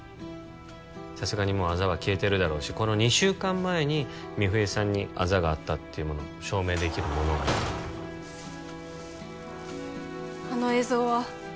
さすがにもうアザは消えてるだろうしこの２週間前に美冬さんにアザがあったっていうものを証明できるものがあの映像は？